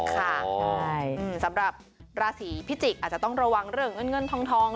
ค่ะใช่สำหรับราศีพิจิกษ์อาจจะต้องระวังเรื่องเงินเงินทอง